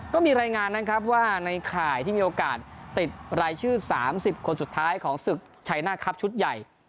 ก็มีรายงานนะครับว่าในข่ายที่มีโอกาสติดรายชื่อ๓๐คนสุดท้ายของศึกชัยหน้าครับชุดใหญ่